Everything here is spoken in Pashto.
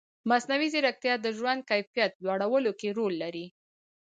مصنوعي ځیرکتیا د ژوند کیفیت لوړولو کې رول لري.